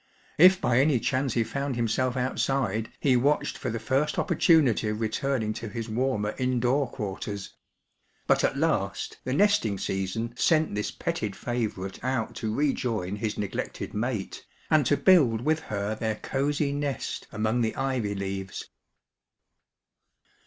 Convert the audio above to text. If by any chance he found himself outside, he watched for the first opportimity of returning to his warmer indoor quarters^ But at last the nesting season sent this petted &iyourite out to rejoin his nej^ected mate, and to build with her their ooey nest among the ivy leayes.